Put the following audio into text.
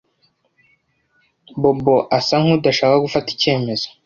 Bobo asa nkudashaka gufata icyemezo.